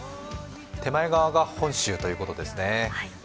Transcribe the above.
手前側が本州ということですね。